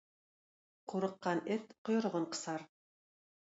Курыккан эт койрыгын кысар.